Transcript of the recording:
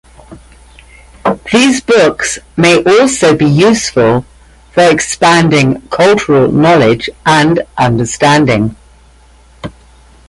These books may also be useful for expanding cultural knowledge and understanding.